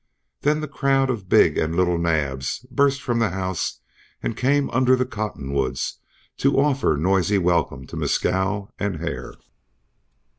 Then the crowd of big and little Naabs burst from the house and came under the cottonwoods to offer noisy welcome to Mescal and Hare.